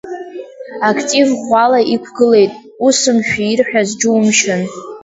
Актив ӷәӷәала иқәгылеит, усымшәа ирҳәаз џьумшьан.